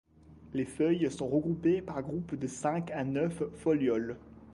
Les feuilles sont regroupées par groupe de cinq à neuf folioles.